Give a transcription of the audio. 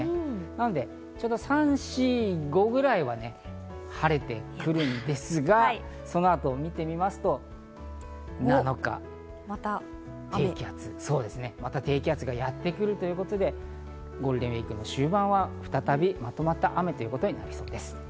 なので、ちょうど３、４、５ぐらいは晴れてくるんですが、そのあとを見てみますと７日、低気圧がやってくるということで、ゴールデンウイークの終盤は再び、まとまった雨ということになりそうです。